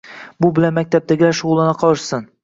Bu bilan maktabdagilar shug‘ullana qolishsin.